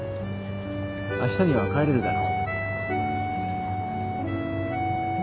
あしたには帰れるだろ？